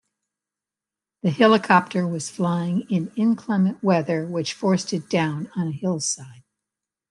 The helicopter was flying in inclement weather which forced it down on a hillside.